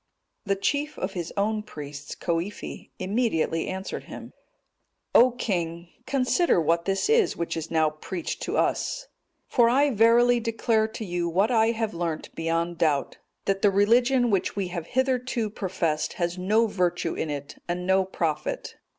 The chief of his own priests, Coifi, immediately answered him, "O king, consider what this is which is now preached to us; for I verily declare to you what I have learnt beyond doubt, that the religion which we have hitherto professed has no virtue in it and no profit.